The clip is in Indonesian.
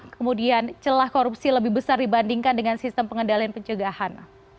kemudian celah korupsi lebih besar dibandingkan dengan sistem pengendalian pencegahan